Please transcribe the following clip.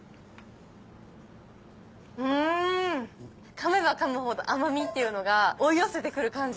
噛めば噛むほど甘みっていうのが追い寄せて来る感じ。